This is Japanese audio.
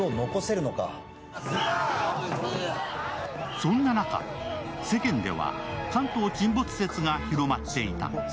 そんな中、世間では関東沈没説が広まっていた。